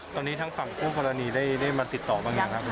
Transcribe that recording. ตอนนี้ทางฝั่งคู่กรณีได้มาติดต่อบ้างยังครับ